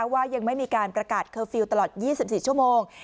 ว่ายังไม่มีการประกาศเคอร์ฟิลล์ตลอด๒๔ชั่วโมง